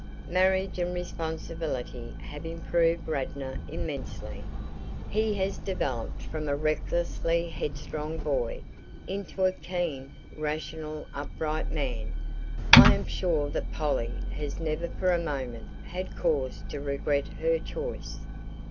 Marriage and responsibility have improved Radnor immensely. He has developed from a recklessly headstrong boy into a keen, rational, upright man; I am sure that Polly has never for a moment had cause to regret her choice.